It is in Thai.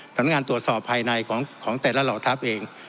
สำหรับงานตรวจสอบภายในของแต่ละเหล่าทัพเอง